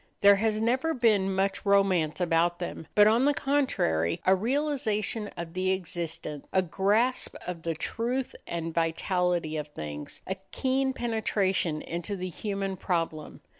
There has never been much romance about them, but, on the contrary, a realization of the existent, a grasp of the truth and vitality of things, a keen penetration into the human problem.